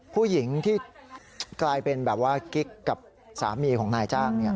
ผู้หญิงที่กลายเป็นแบบว่ากิ๊กกับสามีของนายจ้าง